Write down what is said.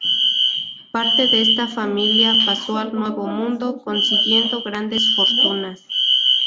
Parte de esta familia pasó al Nuevo Mundo, consiguiendo grandes fortunas.